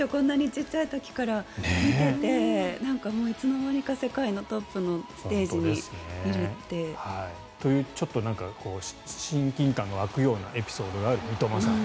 小さい時から見てていつの間にか世界のトップのステージにいるって。というちょっと親近感の湧くようなエピソードがある三笘さん。